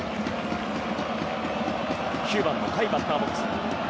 ９番の甲斐がバッターボックス。